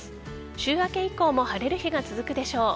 週明け以降も晴れる日が続くでしょう。